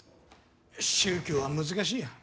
宗教は難しいんや。